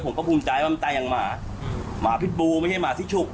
ผมก็ภูมิใจว่ามันตายอย่างหมาหมาพิษบูไม่ใช่หมาที่ฉุก